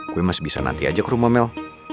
gue masih bisa nanti aja ke rumah mel